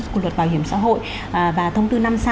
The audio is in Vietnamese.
của luật bảo hiểm xã hội và thông tư năm mươi sáu